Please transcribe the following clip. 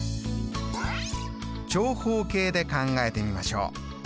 長方形で考えてみましょう。